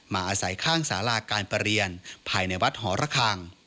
อาศัยข้างสาราการประเรียนภายในวัดหอระคัง